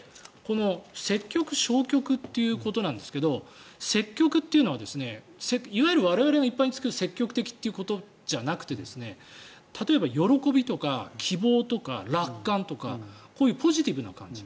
積極・消極っていうことなんですが積極というのはいわゆる我々が使う積極的ということじゃなくて例えば喜びとか希望とか楽観とかこういうポジティブな感じ。